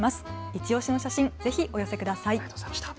いちオシの写真、ぜひ、お寄せください。